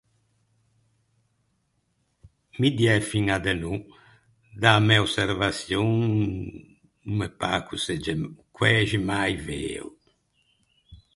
Mi diæ fiña de no. Da-a mæ osservaçion no me pâ ch’o segge m- quæxi mai veo.